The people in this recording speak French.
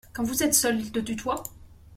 Quand vous êtes seuls, il te tutoie ?